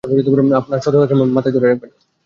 আপনার সততাকে মাথায় রাখবেন।